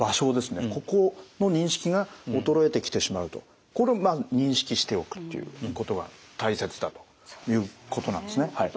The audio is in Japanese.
ここの認識が衰えてきてしまうとこれをまあ認識しておくということが大切だということなんですねはい。